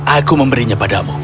aku memberinya padamu